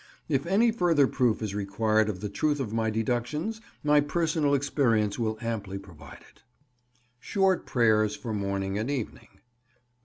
If any further proof is required of the truth of my deductions, my personal experience will amply provide it. SHORT PRAYERS FOR MORNING AND EVENING.